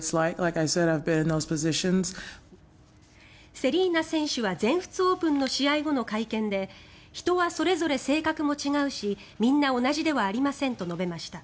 セリーナ選手は全仏オープンの試合後の会見で人はそれぞれ性格も違うしみんな同じではありませんと述べました。